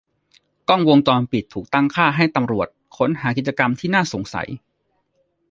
กล้องวงจรปิดถูกตั้งค่าให้ตำรวจค้นหากิจกรรมที่น่าสงสัย